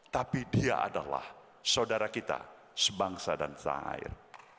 tapi dia adalah saudara kita sebangsa dan cair